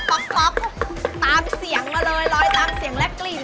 ตามเสียงมาเลยลอยตามเสียงและกลิ่น